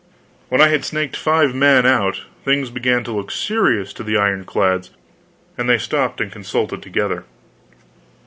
When I had snaked five men out, things began to look serious to the ironclads, and they stopped and consulted together.